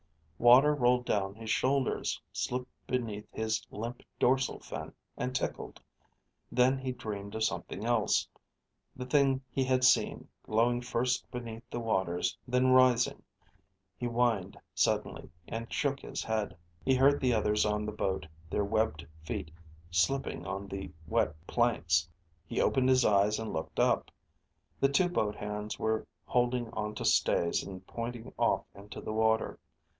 Water rolled down his shoulders, slipped beneath his limp dorsal fin, and tickled. Then he dreamed of something else, the thing he had seen, glowing first beneath the water, then rising.... He whined suddenly, and shook his head. He heard the others on the boat, their webbed feet slipping on the wet planks. He opened his eyes and looked up. The two boat hands were holding onto stays and pointing off into the water.